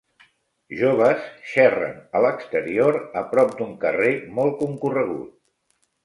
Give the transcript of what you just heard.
Joves xerren a l'exterior a prop d'un carrer molt concorregut.